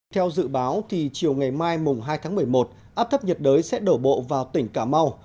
theo dự báo thì chiều ngày mai hai tháng một mươi một áp thấp nhiệt đới sẽ đổ bộ vào tỉnh cà mau